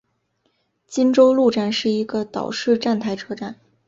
金周路站是一个岛式站台车站。